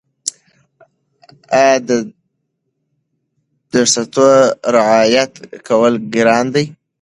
او د درستو رعایت کول ګران دي